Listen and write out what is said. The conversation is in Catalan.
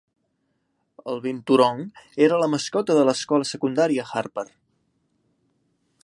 El binturong era la mascota de l'escola secundària Harper.